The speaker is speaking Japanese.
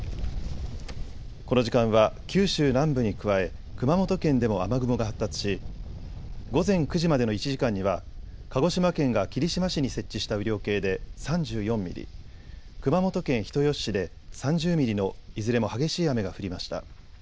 この時間は九州南部に加え熊本県でも雨雲が発達し午前９時までの１時間には鹿児島県が霧島市に設置した雨量計で３４ミリ、熊本県人吉市で３０ミリのいずれも激しい雨が降りました。